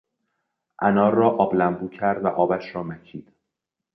انار را آب لمبو کرد و آبش را مکید.